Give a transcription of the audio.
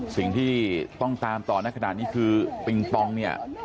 สิ่งที่ต้องตามต่อในขณะนี้คือปิงปองเนี่ย